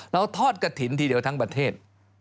เราทอดกระถิ่นทีเดียวทั้งประเทศ